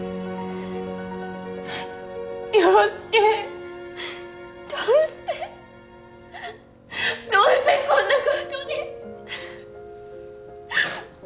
陽介どうしてどうしてこんなことに！